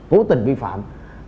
cố tình vi phạm